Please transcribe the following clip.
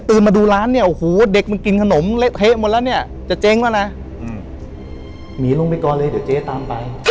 ตื้นมาดูร้านเนี้ยโอ้เด็กมันกินขนม